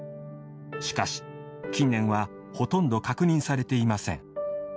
しかし、近年はほとんど確認されていません。